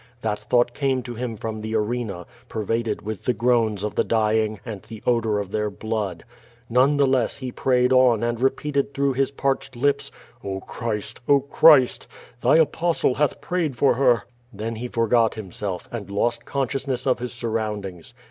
That thought came to him from the arena, pervaded with the groans of the dying and the odor of their blood. None the less he prayed on and repeated through his parclied lips: "0 Christ! O Christ! Thy Apostle hath i)rayed for her.'' Then he foigot himself, and lost consciousness of his surroundings.